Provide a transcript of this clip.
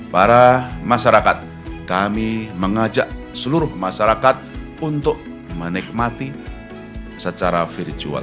para masyarakat kami mengajak seluruh masyarakat untuk menikmati secara virtual